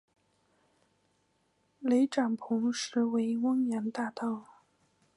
雷展鹏实为汪洋大盗。